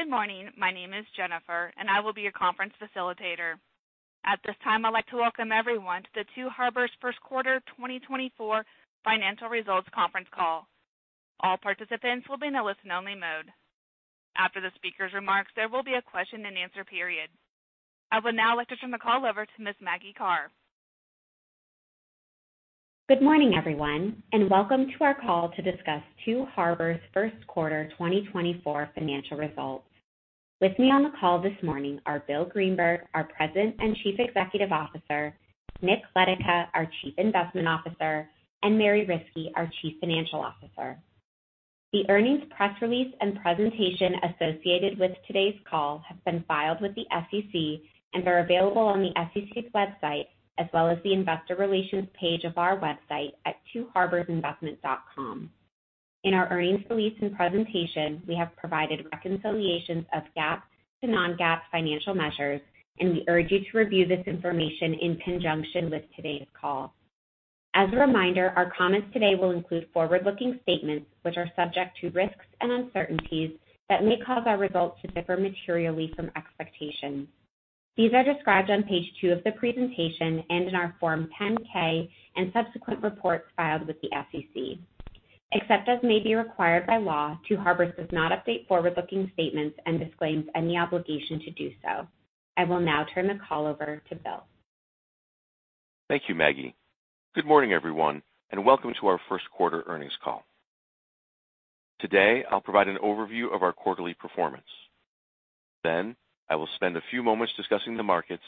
Good morning, my name is Jennifer, and I will be your conference facilitator. At this time I'd like to welcome everyone to the Two Harbors First Quarter 2024 Financial Results Conference call. All participants will be in a listen-only mode. After the speaker's remarks there will be a question-and-answer period. I would now like to turn the call over to Ms. Maggie Karr. Good morning everyone, and welcome to our call to discuss Two Harbors First Quarter 2024 financial results. With me on the call this morning are Bill Greenberg, our President and Chief Executive Officer, Nick Letica, our Chief Investment Officer, and Mary Riskey, our Chief Financial Officer. The earnings press release and presentation associated with today's call have been filed with the SEC and are available on the SEC's website as well as the investor relations page of our website at twoharborsinvestment.com. In our earnings release and presentation we have provided reconciliations of GAAP to non-GAAP financial measures, and we urge you to review this information in conjunction with today's call. As a reminder, our comments today will include forward-looking statements which are subject to risks and uncertainties that may cause our results to differ materially from expectations. These are described on page 2 of the presentation and in our Form 10-K and subsequent reports filed with the SEC. Except as may be required by law, Two Harbors does not update forward-looking statements and disclaims any obligation to do so. I will now turn the call over to Bill. Thank you, Maggie. Good morning everyone, and welcome to our first quarter earnings call. Today I'll provide an overview of our quarterly performance, then I will spend a few moments discussing the markets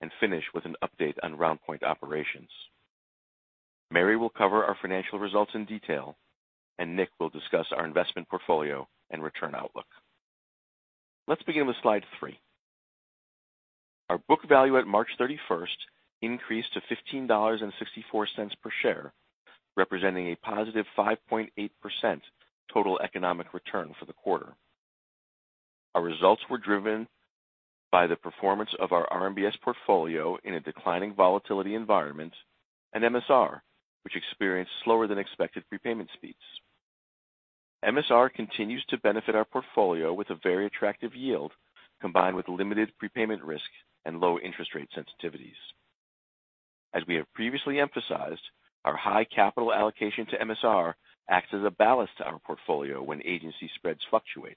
and finish with an update on RoundPoint operations. Mary will cover our financial results in detail, and Nick will discuss our investment portfolio and return outlook. Let's begin with slide 3. Our book value at March 31st increased to $15.64 per share, representing a positive 5.8% total economic return for the quarter. Our results were driven by the performance of our RMBS portfolio in a declining volatility environment and MSR, which experienced slower-than-expected prepayment speeds. MSR continues to benefit our portfolio with a very attractive yield combined with limited prepayment risk and low interest rate sensitivities. As we have previously emphasized, our high capital allocation to MSR acts as a ballast to our portfolio when agency spreads fluctuate.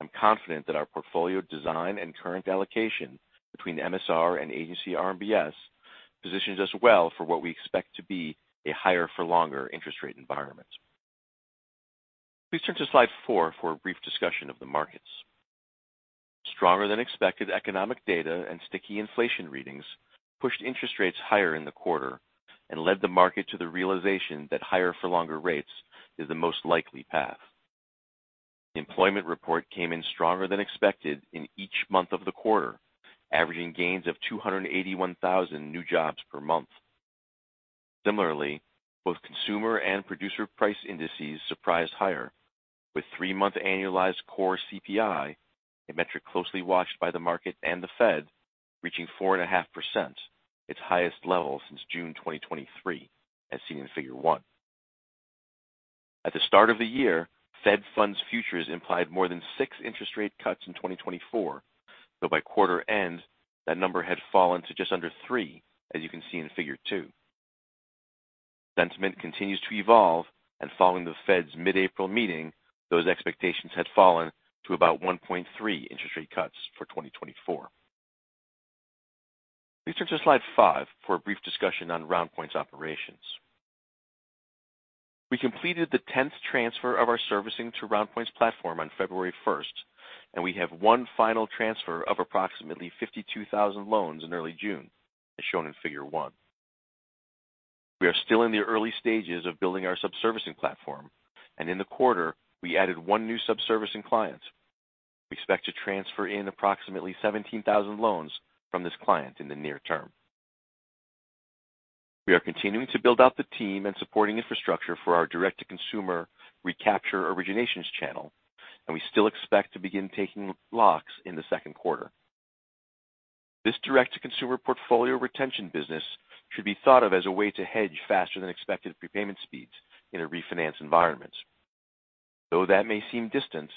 I'm confident that our portfolio design and current allocation between MSR and agency RMBS positions us well for what we expect to be a higher-for-longer interest rate environment. Please turn to slide 4 for a brief discussion of the markets. Stronger-than-expected economic data and sticky inflation readings pushed interest rates higher in the quarter and led the market to the realization that higher-for-longer rates is the most likely path. The employment report came in stronger-than-expected in each month of the quarter, averaging gains of 281,000 new jobs per month. Similarly, both consumer and producer price indices surprised higher, with three-month annualized core CPI, a metric closely watched by the market and the Fed, reaching 4.5%, its highest level since June 2023 as seen in figure 1. At the start of the year, Fed funds futures implied more than 6 interest rate cuts in 2024, though by quarter end that number had fallen to just under 3, as you can see in figure 2. Sentiment continues to evolve, and following the Fed's mid-April meeting, those expectations had fallen to about 1.3 interest rate cuts for 2024. Please turn to slide 5 for a brief discussion on RoundPoint operations. We completed the 10th transfer of our servicing to RoundPoint platform on February 1st, and we have one final transfer of approximately 52,000 loans in early June, as shown in figure 1. We are still in the early stages of building our subservicing platform, and in the quarter we added one new subservicing client. We expect to transfer in approximately 17,000 loans from this client in the near term. We are continuing to build out the team and supporting infrastructure for our direct-to-consumer recapture originations channel, and we still expect to begin taking locks in the second quarter. This direct-to-consumer portfolio retention business should be thought of as a way to hedge faster-than-expected prepayment speeds in a refinance environment. Though that may seem distant,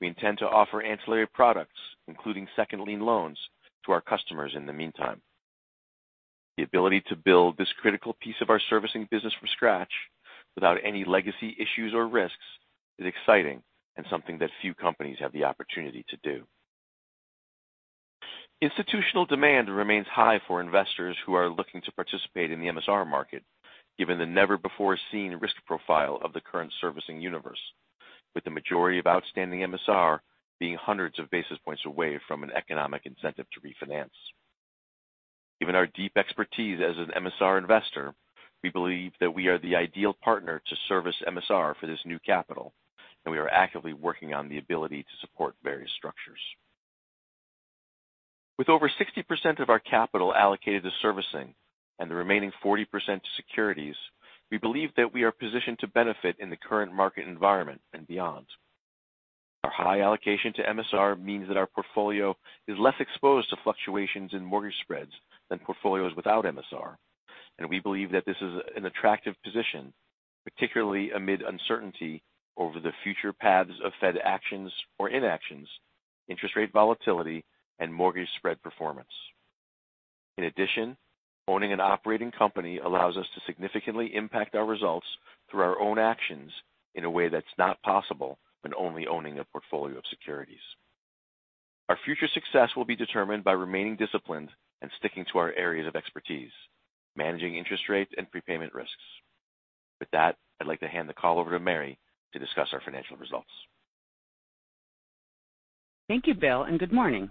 we intend to offer ancillary products, including second-lien loans, to our customers in the meantime. The ability to build this critical piece of our servicing business from scratch, without any legacy issues or risks, is exciting and something that few companies have the opportunity to do. Institutional demand remains high for investors who are looking to participate in the MSR market, given the never-before-seen risk profile of the current servicing universe, with the majority of outstanding MSR being hundreds of basis points away from an economic incentive to refinance. Given our deep expertise as an MSR investor, we believe that we are the ideal partner to service MSR for this new capital, and we are actively working on the ability to support various structures. With over 60% of our capital allocated to servicing and the remaining 40% to securities, we believe that we are positioned to benefit in the current market environment and beyond. Our high allocation to MSR means that our portfolio is less exposed to fluctuations in mortgage spreads than portfolios without MSR, and we believe that this is an attractive position, particularly amid uncertainty over the future paths of Fed actions or inactions, interest rate volatility, and mortgage spread performance. In addition, owning an operating company allows us to significantly impact our results through our own actions in a way that's not possible when only owning a portfolio of securities. Our future success will be determined by remaining disciplined and sticking to our areas of expertise, managing interest rate and prepayment risks. With that, I'd like to hand the call over to Mary to discuss our financial results. Thank you, Bill, and good morning.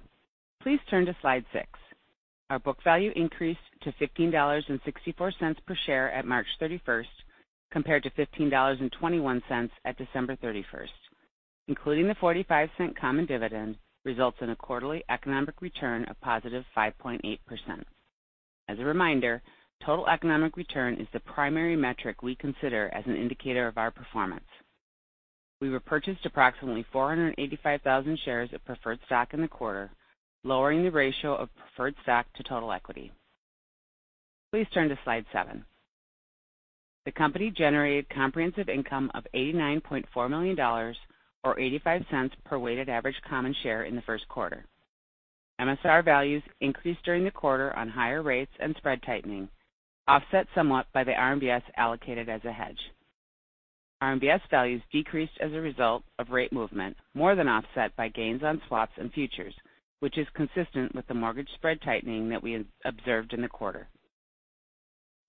Please turn to slide 6. Our book value increased to $15.64 per share at March 31st, compared to $15.21 at December 31st. Including the $0.45 common dividend results in a quarterly economic return of +5.8%. As a reminder, total economic return is the primary metric we consider as an indicator of our performance. We repurchased approximately 485,000 shares of preferred stock in the quarter, lowering the ratio of preferred stock to total equity. Please turn to slide 7. The company generated comprehensive income of $89.4 million, or $0.85, per weighted average common share in the first quarter. MSR values increased during the quarter on higher rates and spread tightening, offset somewhat by the RMBS allocated as a hedge. RMBS values decreased as a result of rate movement, more than offset by gains on swaps and futures, which is consistent with the mortgage spread tightening that we observed in the quarter.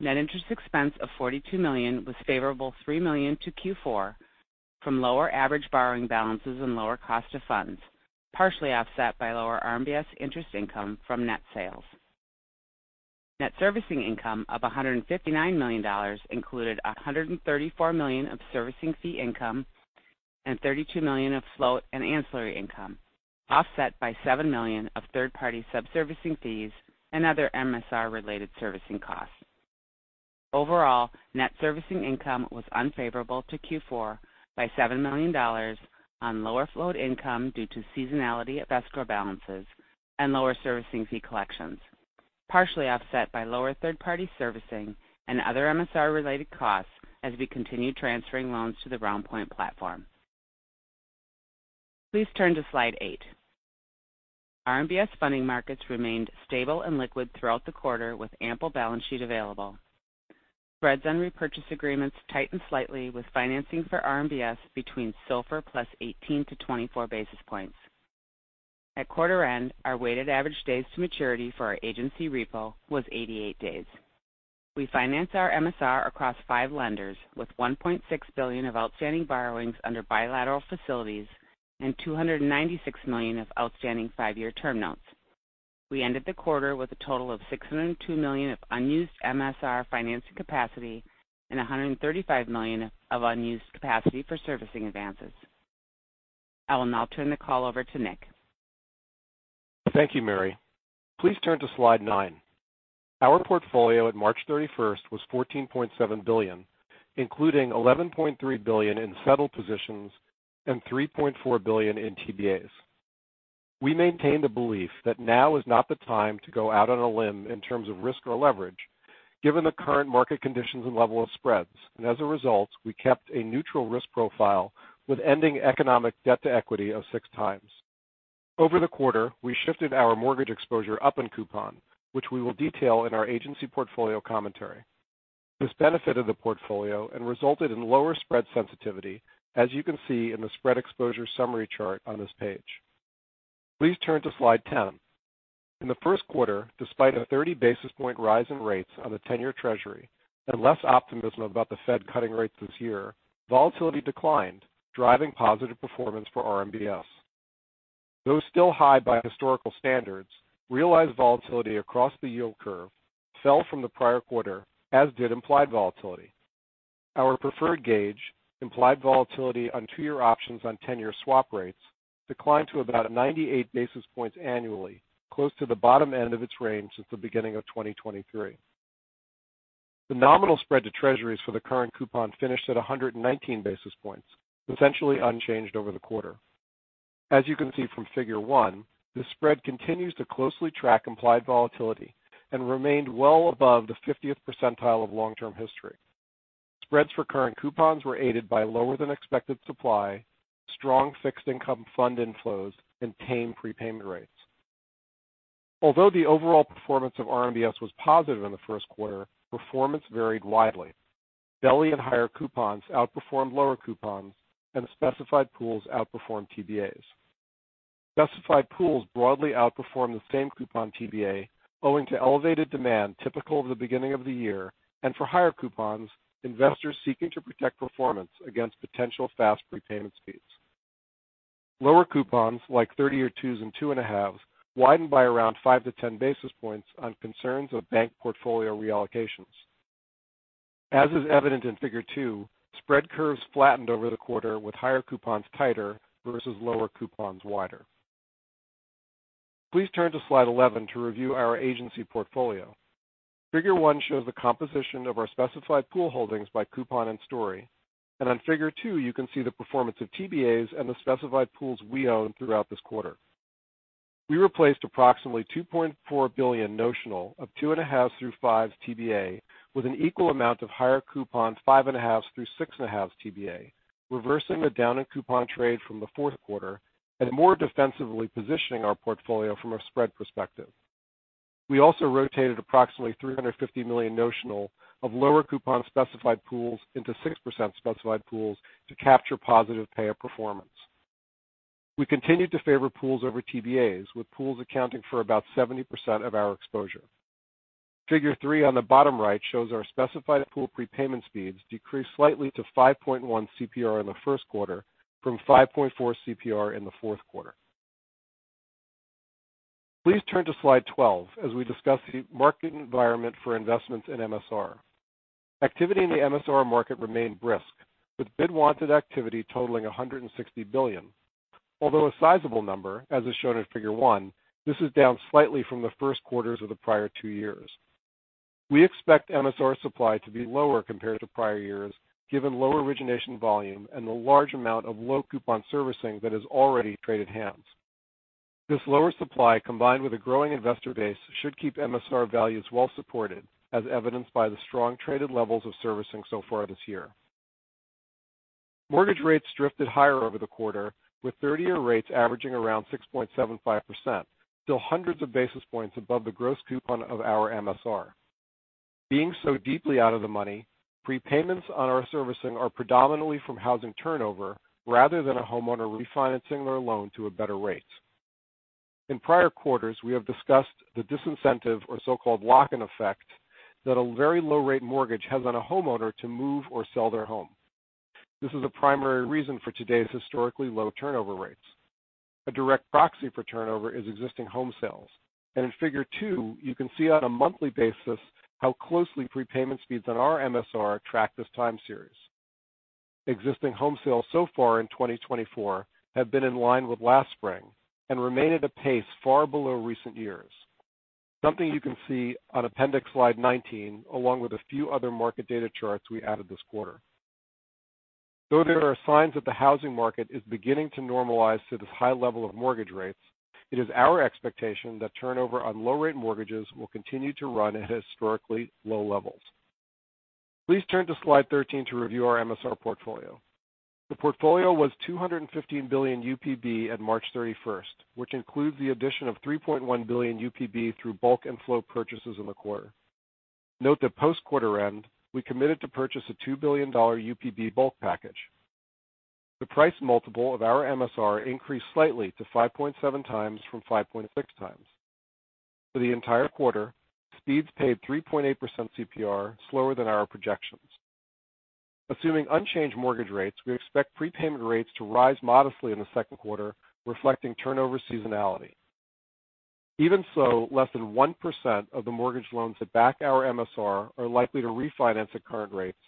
Net interest expense of $42 million was favorable $3 million to Q4 from lower average borrowing balances and lower cost of funds, partially offset by lower RMBS interest income from net sales. Net servicing income of $159 million included $134 million of servicing fee income and $32 million of float and ancillary income, offset by $7 million of third-party subservicing fees and other MSR-related servicing costs. Overall, net servicing income was unfavorable to Q4 by $7 million on lower float income due to seasonality at escrow balances and lower servicing fee collections, partially offset by lower third-party servicing and other MSR-related costs as we continue transferring loans to the RoundPoint platform. Please turn to slide 8. RMBS funding markets remained stable and liquid throughout the quarter, with ample balance sheet available. Spreads on repurchase agreements tightened slightly, with financing for RMBS between SOFR plus 18-24 basis points. At quarter end, our weighted average days to maturity for our agency repo was 88 days. We financed our MSR across five lenders, with $1.6 billion of outstanding borrowings under bilateral facilities and $296 million of outstanding five-year term notes. We ended the quarter with a total of $602 million of unused MSR financing capacity and $135 million of unused capacity for servicing advances. I will now turn the call over to Nick. Thank you, Mary. Please turn to slide 9. Our portfolio at March 31st was $14.7 billion, including $11.3 billion in settled positions and $3.4 billion in TBAs. We maintained the belief that now is not the time to go out on a limb in terms of risk or leverage, given the current market conditions and level of spreads, and as a result we kept a neutral risk profile with ending economic debt to equity of six times. Over the quarter we shifted our mortgage exposure up in coupon, which we will detail in our agency portfolio commentary. This benefited the portfolio and resulted in lower spread sensitivity, as you can see in the spread exposure summary chart on this page. Please turn to slide 10. In the first quarter, despite a 30 basis point rise in rates on the 10-year Treasury and less optimism about the Fed cutting rates this year, volatility declined, driving positive performance for RMBS. Though still high by historical standards, realized volatility across the yield curve fell from the prior quarter, as did implied volatility. Our preferred gauge, implied volatility on two-year options on 10-year swap rates, declined to about 98 basis points annually, close to the bottom end of its range since the beginning of 2023. The nominal spread to Treasuries for the current coupon finished at 119 basis points, essentially unchanged over the quarter. As you can see from figure 1, this spread continues to closely track implied volatility and remained well above the 50th percentile of long-term history. Spreads for current coupons were aided by lower-than-expected supply, strong fixed income fund inflows, and tame prepayment rates. Although the overall performance of RMBS was positive in the first quarter, performance varied widely. Belly and higher coupons outperformed lower coupons, and specified pools outperformed TBAs. Specified pools broadly outperformed the same coupon TBA, owing to elevated demand typical of the beginning of the year and, for higher coupons, investors seeking to protect performance against potential fast prepayment speeds. Lower coupons, like 30-year twos and two-and-a-halves, widened by around 5-10 basis points on concerns of bank portfolio reallocations. As is evident in figure 2, spread curves flattened over the quarter, with higher coupons tighter versus lower coupons wider. Please turn to slide 11 to review our agency portfolio. Figure 1 shows the composition of our specified pool holdings by coupon and story, and on figure 2 you can see the performance of TBAs and the specified pools we owned throughout this quarter. We replaced approximately $2.4 billion notional of 2.5s through 5s TBA with an equal amount of higher coupon 5.5s through 6.5s TBA, reversing the down-and-coupon trade from the fourth quarter and more defensively positioning our portfolio from a spread perspective. We also rotated approximately $350 million notional of lower coupon specified pools into 6% specified pools to capture positive payup performance. We continued to favor pools over TBAs, with pools accounting for about 70% of our exposure. Figure 3 on the bottom right shows our specified pool prepayment speeds decreased slightly to 5.1 CPR in the first quarter from 5.4 CPR in the fourth quarter. Please turn to slide 12 as we discuss the market environment for investments in MSR. Activity in the MSR market remained brisk, with bid-wanted activity totaling $160 billion. Although a sizable number, as is shown in figure 1, this is down slightly from the first quarters of the prior two years. We expect MSR supply to be lower compared to prior years, given low origination volume and the large amount of low coupon servicing that has already traded hands. This lower supply, combined with a growing investor base, should keep MSR values well supported, as evidenced by the strong traded levels of servicing so far this year. Mortgage rates drifted higher over the quarter, with 30-year rates averaging around 6.75%, still hundreds of basis points above the gross coupon of our MSR. Being so deeply out of the money, prepayments on our servicing are predominantly from housing turnover rather than a homeowner refinancing their loan to a better rate. In prior quarters we have discussed the disincentive, or so-called lock-in effect, that a very low-rate mortgage has on a homeowner to move or sell their home. This is a primary reason for today's historically low turnover rates. A direct proxy for turnover is existing home sales, and in figure 2 you can see on a monthly basis how closely prepayment speeds on our MSR track this time series. Existing home sales so far in 2024 have been in line with last spring and remained at a pace far below recent years, something you can see on appendix slide 19 along with a few other market data charts we added this quarter. Though there are signs that the housing market is beginning to normalize to this high level of mortgage rates, it is our expectation that turnover on low-rate mortgages will continue to run at historically low levels. Please turn to slide 13 to review our MSR portfolio. The portfolio was $215 billion UPB at March 31st, which includes the addition of $3.1 billion UPB through bulk and float purchases in the quarter. Note that post-quarter end we committed to purchase a $2 billion UPB bulk package. The price multiple of our MSR increased slightly to 5.7x from 5.6x. For the entire quarter, speeds paid 3.8% CPR slower than our projections. Assuming unchanged mortgage rates, we expect prepayment rates to rise modestly in the second quarter, reflecting turnover seasonality. Even so, less than 1% of the mortgage loans that back our MSR are likely to refinance at current rates,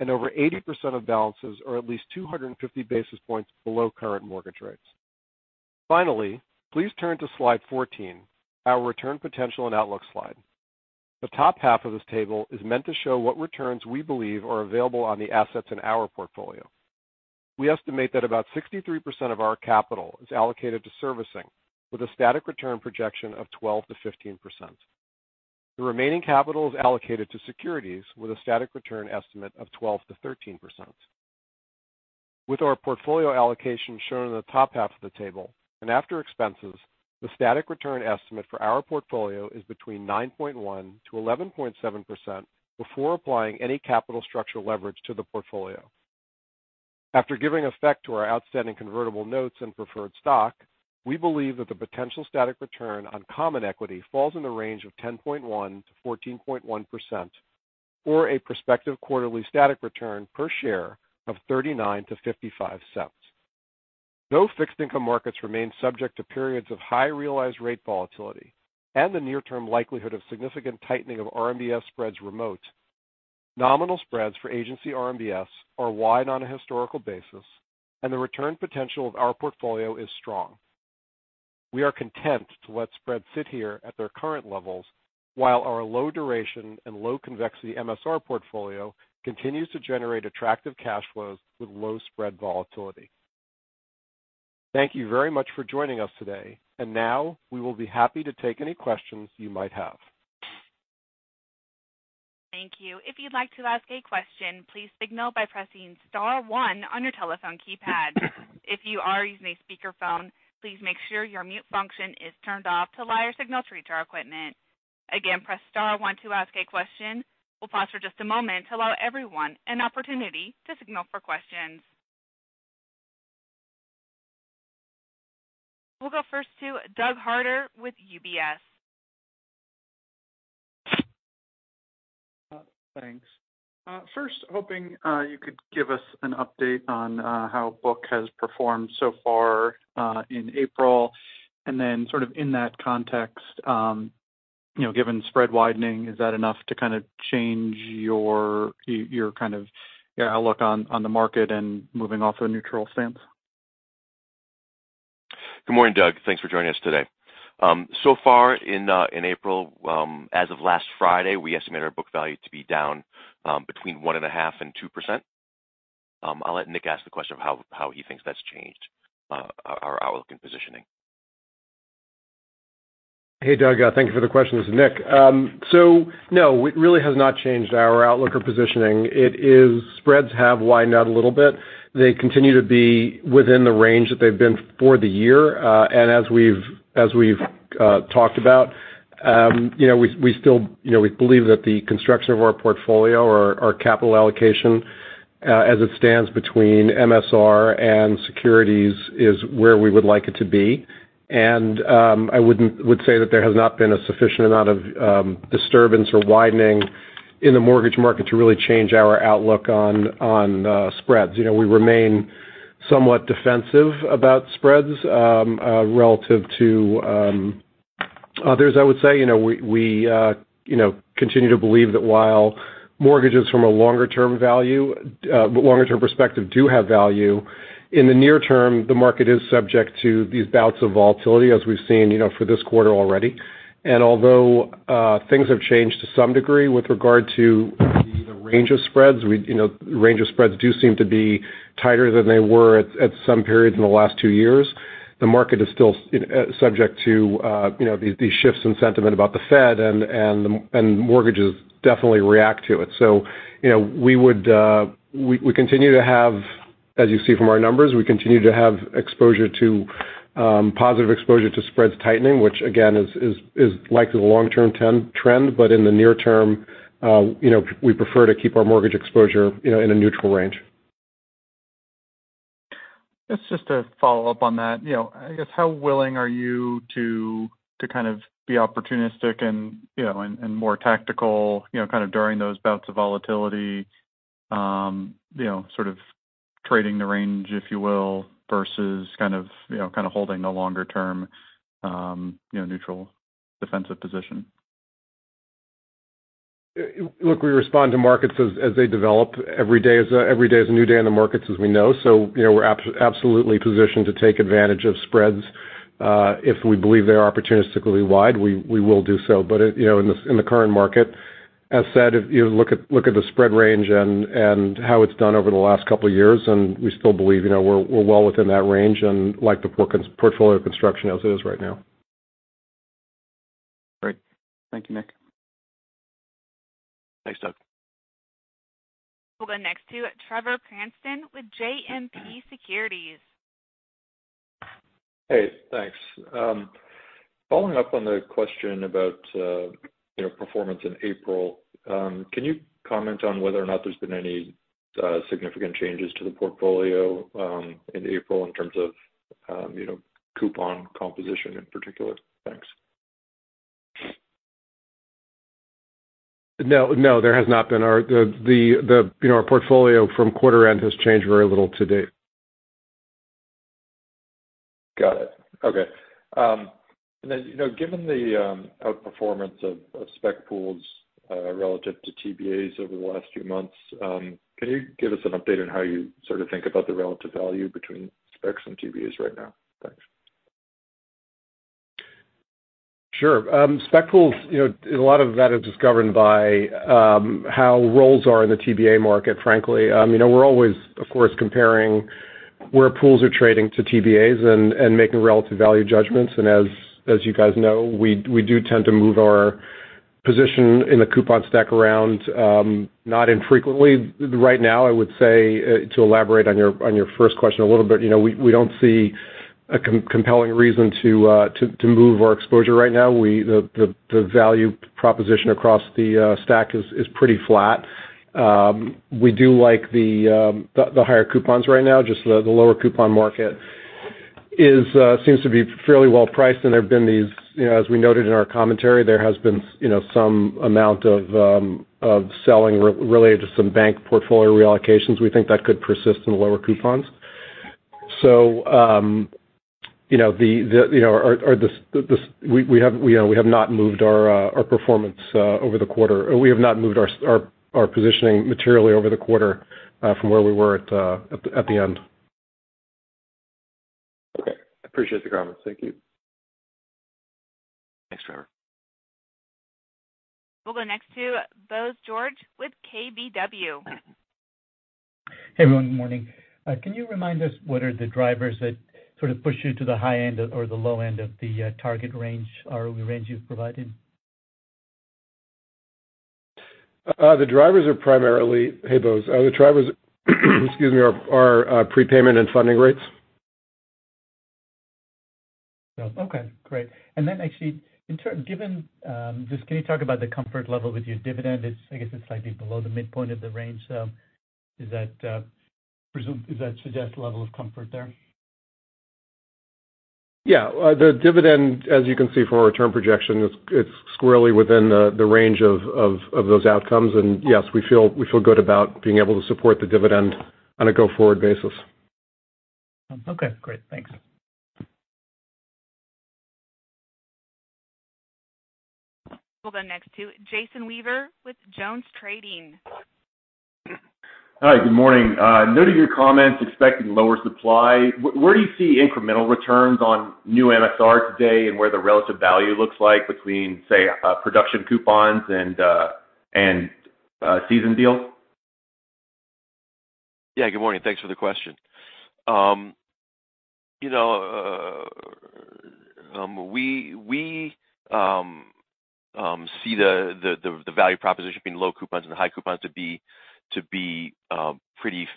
and over 80% of balances are at least 250 basis points below current mortgage rates. Finally, please turn to slide 14, our return potential and outlook slide. The top half of this table is meant to show what returns we believe are available on the assets in our portfolio. We estimate that about 63% of our capital is allocated to servicing, with a static return projection of 12%-15%. The remaining capital is allocated to securities, with a static return estimate of 12%-13%. With our portfolio allocation shown in the top half of the table and after expenses, the static return estimate for our portfolio is between 9.1%-11.7% before applying any capital structure leverage to the portfolio. After giving effect to our outstanding convertible notes and preferred stock, we believe that the potential static return on common equity falls in the range of 10.1%-14.1%, or a prospective quarterly static return per share of $0.39-$0.55. Though fixed income markets remain subject to periods of high realized rate volatility and the near-term likelihood of significant tightening of RMBS spreads remote, nominal spreads for agency RMBS are wide on a historical basis, and the return potential of our portfolio is strong. We are content to let spreads sit here at their current levels while our low-duration and low-convexity MSR portfolio continues to generate attractive cash flows with low spread volatility. Thank you very much for joining us today, and now we will be happy to take any questions you might have. Thank you. If you'd like to ask a question, please signal by pressing star 1 on your telephone keypad. If you are using a speakerphone, please make sure your mute function is turned off to allow your signal to reach our equipment. Again, press star 1 to ask a question. We'll pause for just a moment to allow everyone an opportunity to signal for questions. We'll go first to Doug Harter with UBS. Thanks. First, hoping you could give us an update on how BOOK has performed so far in April, and then sort of in that context, given spread widening, is that enough to kind of change your kind of outlook on the market and moving off a neutral stance? Good morning, Doug. Thanks for joining us today. So far in April, as of last Friday, we estimated our book value to be down between 1.5% and 2%. I'll let Nick ask the question of how he thinks that's changed our outlook and positioning. Hey, Doug. Thank you for the question. This is Nick. So no, it really has not changed our outlook or positioning. Spreads have widened a little bit. They continue to be within the range that they've been for the year. And as we've talked about, we still believe that the construction of our portfolio, our capital allocation as it stands between MSR and securities, is where we would like it to be. And I would say that there has not been a sufficient amount of disturbance or widening in the mortgage market to really change our outlook on spreads. We remain somewhat defensive about spreads relative to others. I would say we continue to believe that while mortgages from a longer-term perspective do have value, in the near term, the market is subject to these bouts of volatility as we've seen for this quarter already. Although things have changed to some degree with regard to the range of spreads, the range of spreads do seem to be tighter than they were at some periods in the last two years, the market is still subject to these shifts in sentiment about the Fed and mortgages definitely react to it. We continue to have, as you see from our numbers, we continue to have positive exposure to spreads tightening, which again is likely the long-term trend, but in the near term, we prefer to keep our mortgage exposure in a neutral range. That's just a follow-up on that. I guess how willing are you to kind of be opportunistic and more tactical kind of during those bouts of volatility, sort of trading the range, if you will, versus kind of holding the longer-term neutral defensive position? Look, we respond to markets as they develop. Every day is a new day in the markets, as we know. We're absolutely positioned to take advantage of spreads. If we believe they are opportunistically wide, we will do so. In the current market, as said, look at the spread range and how it's done over the last couple of years, and we still believe we're well within that range and like the portfolio construction as it is right now. Great. Thank you, Nick. Thanks, Doug. We'll go next to Trevor Cranston with JMP Securities. Hey, thanks. Following up on the question about performance in April, can you comment on whether or not there's been any significant changes to the portfolio in April in terms of coupon composition in particular? Thanks. No, there has not been. Our portfolio from quarter end has changed very little to date. Got it. Okay. And then given the outperformance of spec pools relative to TBAs over the last few months, can you give us an update on how you sort of think about the relative value between specs and TBAs right now? Thanks. Sure. Spec pools, a lot of that is just governed by how rolls are in the TBA market, frankly. We're always, of course, comparing where pools are trading to TBAs and making relative value judgments. And as you guys know, we do tend to move our position in the coupon stack around, not infrequently. Right now, I would say, to elaborate on your first question a little bit, we don't see a compelling reason to move our exposure right now. The value proposition across the stack is pretty flat. We do like the higher coupons right now. Just the lower coupon market seems to be fairly well priced. And there have been these, as we noted in our commentary, there has been some amount of selling related to some bank portfolio reallocations. We think that could persist in the lower coupons. So we have not moved our performance over the quarter. We have not moved our positioning materially over the quarter from where we were at the end. Okay. Appreciate the comments. Thank you. Thanks, Trevor. We'll go next to Bose George with KBW. Hey, everyone. Good morning. Can you remind us what are the drivers that sort of push you to the high end or the low end of the target range, the range you've provided? The drivers are primarily, hey, Bose, the drivers, excuse me, are prepayment and funding rates. Okay. Great. And then actually, given, just can you talk about the comfort level with your dividend? I guess it's slightly below the midpoint of the range. Does that suggest a level of comfort there? Yeah. The dividend, as you can see from our return projection, it's squarely within the range of those outcomes. And yes, we feel good about being able to support the dividend on a go-forward basis. Okay. Great. Thanks. We'll go next to Jason Weaver with Jones Trading. Hi. Good morning. Noting your comments, expecting lower supply, where do you see incremental returns on new MSR today and where the relative value looks like between, say, production coupons and seasoned deals? Yeah. Good morning. Thanks for the question. We see the value proposition between low coupons and high coupons to be pretty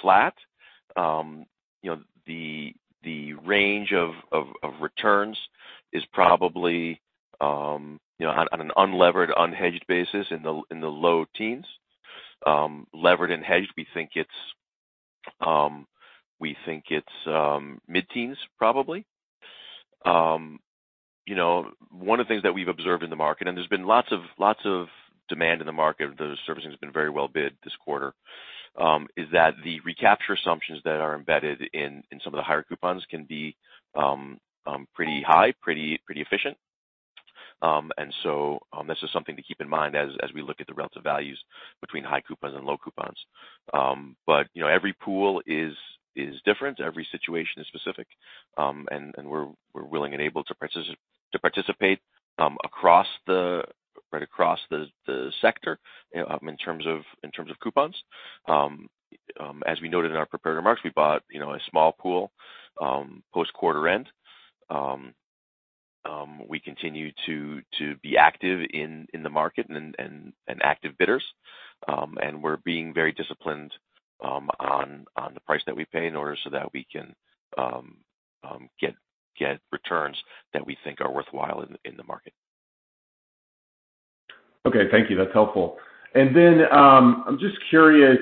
flat. The range of returns is probably, on an unlevered, unhedged basis, in the low teens. Levered and hedged, we think it's mid-teens, probably. One of the things that we've observed in the market, and there's been lots of demand in the market, the servicing has been very well bid this quarter, is that the recapture assumptions that are embedded in some of the higher coupons can be pretty high, pretty efficient. And so this is something to keep in mind as we look at the relative values between high coupons and low coupons. But every pool is different. Every situation is specific. And we're willing and able to participate right across the sector in terms of coupons. As we noted in our preparatory remarks, we bought a small pool post-quarter end. We continue to be active in the market and active bidders. We're being very disciplined on the price that we pay in order so that we can get returns that we think are worthwhile in the market. Okay. Thank you. That's helpful. I'm just curious,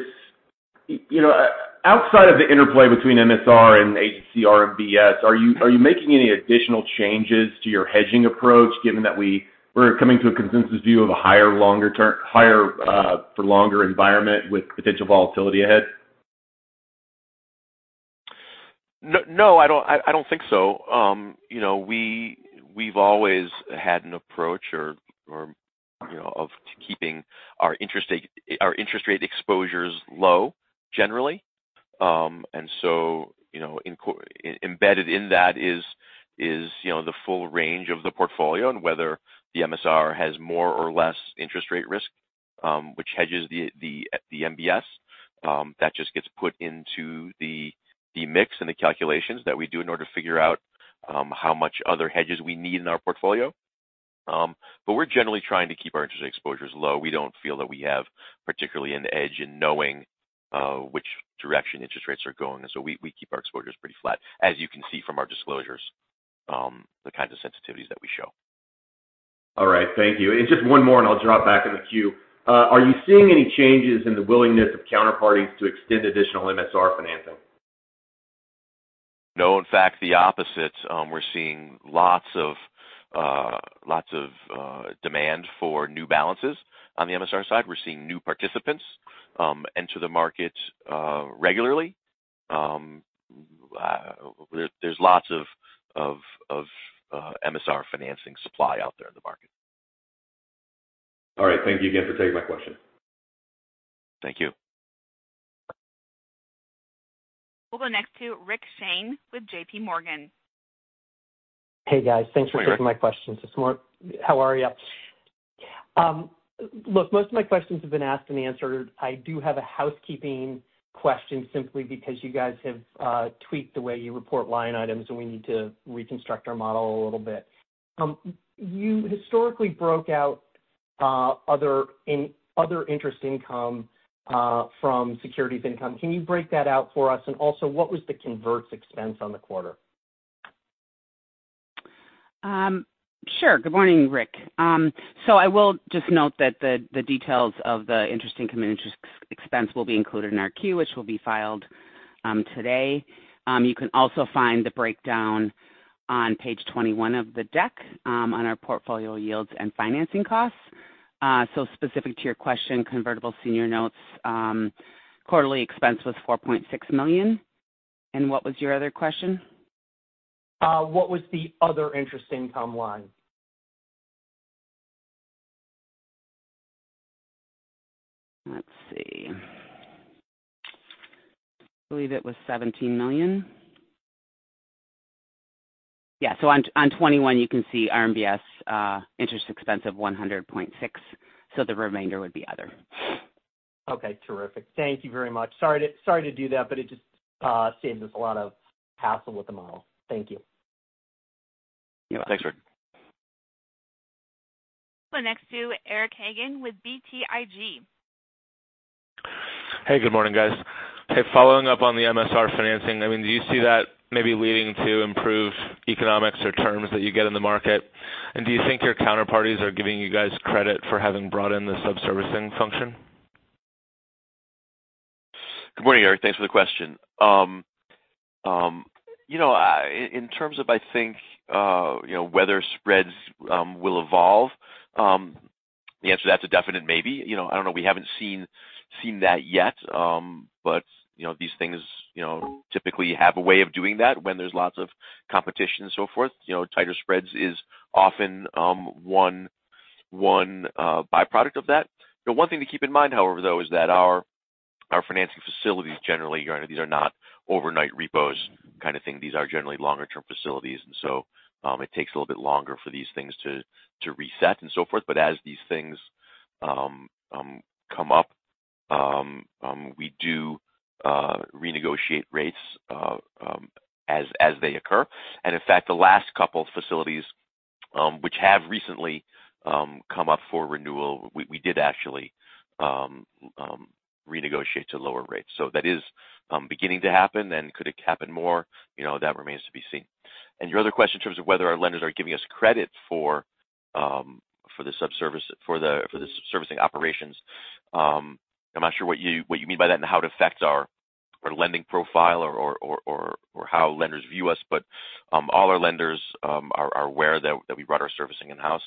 outside of the interplay between MSR and agency RMBS, are you making any additional changes to your hedging approach, given that we're coming to a consensus view of a higher for longer environment with potential volatility ahead? No, I don't think so. We've always had an approach of keeping our interest rate exposures low, generally. And so embedded in that is the full range of the portfolio and whether the MSR has more or less interest rate risk, which hedges the MBS. That just gets put into the mix and the calculations that we do in order to figure out how much other hedges we need in our portfolio. But we're generally trying to keep our interest rate exposures low. We don't feel that we have particularly an edge in knowing which direction interest rates are going. And so we keep our exposures pretty flat, as you can see from our disclosures, the kinds of sensitivities that we show. All right. Thank you. And just one more, and I'll drop back in a few. Are you seeing any changes in the willingness of counterparties to extend additional MSR financing? No. In fact, the opposite. We're seeing lots of demand for new balances on the MSR side. We're seeing new participants enter the market regularly. There's lots of MSR financing supply out there in the market. All right. Thank you again for taking my question. Thank you. We'll go next to Rick Shane with J.P. Morgan. Hey, guys. Thanks for taking my questions. How are you? Look, most of my questions have been asked and answered. I do have a housekeeping question simply because you guys have tweaked the way you report line items, and we need to reconstruct our model a little bit. You historically broke out other interest income from securities income. Can you break that out for us? And also, what was the converts expense on the quarter? Sure. Good morning, Rick. So I will just note that the details of the interest income and interest expense will be included in our 10-Q, which will be filed today. You can also find the breakdown on page 21 of the deck on our portfolio yields and financing costs. So specific to your question, convertible senior notes, quarterly expense was $4.6 million. And what was your other question? What was the other interest income line? Let's see. I believe it was $17 million. Yeah. So on 21, you can see RMBS interest expense of $100.6 million. So the remainder would be other. Okay. Terrific. Thank you very much. Sorry to do that, but it just seemed as a lot of hassle with the model. Thank you. You're welcome. Thanks, Rick. We'll go next to Eric Hagen with BTIG. Hey, good morning, guys. Hey, following up on the MSR financing, I mean, do you see that maybe leading to improved economics or terms that you get in the market? And do you think your counterparties are giving you guys credit for having brought in the subservicing function? Good morning, Eric. Thanks for the question. In terms of, I think, whether spreads will evolve, the answer to that's a definite maybe. I don't know. We haven't seen that yet. But these things typically have a way of doing that when there's lots of competition and so forth. Tighter spreads is often one byproduct of that. One thing to keep in mind, however, though, is that our financing facilities, generally, these are not overnight repos kind of thing. These are generally longer-term facilities. And so it takes a little bit longer for these things to reset and so forth. But as these things come up, we do renegotiate rates as they occur. And in fact, the last couple of facilities, which have recently come up for renewal, we did actually renegotiate to lower rates. So that is beginning to happen. And could it happen more? That remains to be seen. Your other question in terms of whether our lenders are giving us credit for the subservicing operations, I'm not sure what you mean by that and how it affects our lending profile or how lenders view us. But all our lenders are aware that we brought our servicing in-house,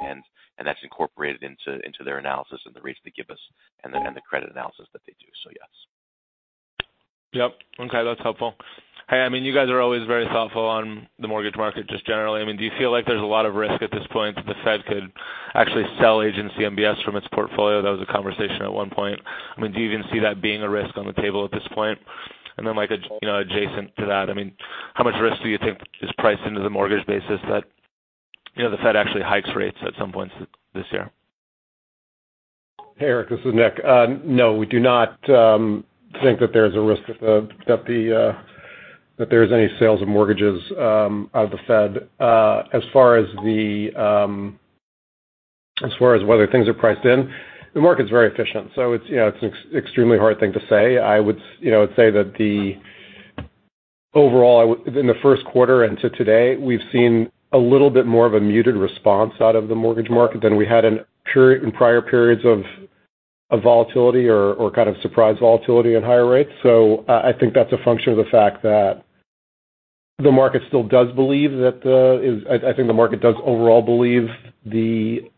and that's incorporated into their analysis and the rates they give us and the credit analysis that they do. So yes. Yep. Okay. That's helpful. Hey, I mean, you guys are always very thoughtful on the mortgage market just generally. I mean, do you feel like there's a lot of risk at this point that the Fed could actually sell agency MBS from its portfolio? That was a conversation at one point. I mean, do you even see that being a risk on the table at this point? And then adjacent to that, I mean, how much risk do you think is priced into the mortgage basis that the Fed actually hikes rates at some points this year? Hey, Eric, this is Nick. No, we do not think that there's a risk that there's any sales of mortgages out of the Fed. As far as whether things are priced in, the market's very efficient. So it's an extremely hard thing to say. I would say that overall, in the first quarter and to today, we've seen a little bit more of a muted response out of the mortgage market than we had in prior periods of volatility or kind of surprise volatility at higher rates. So I think that's a function of the fact that the market still does believe that I think the market does overall believe that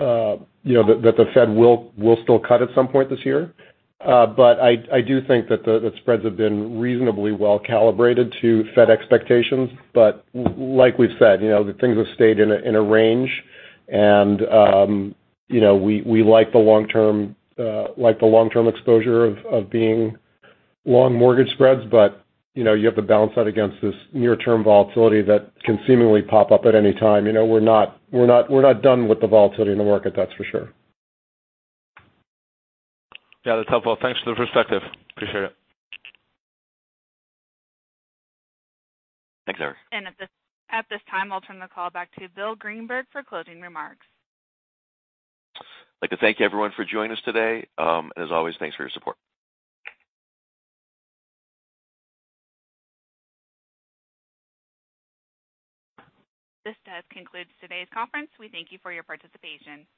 the Fed will still cut at some point this year. But I do think that spreads have been reasonably well calibrated to Fed expectations. But like we've said, the things have stayed in a range. And we like the long-term exposure of being long mortgage spreads. But you have to balance that against this near-term volatility that can seemingly pop up at any time. We're not done with the volatility in the market, that's for sure. Yeah. That's helpful. Thanks for the perspective. Appreciate it. Thanks, Eric. At this time, I'll turn the call back to Will Greenberg for closing remarks. I'd like to thank everyone for joining us today. As always, thanks for your support. This does conclude today's conference. We thank you for your participation.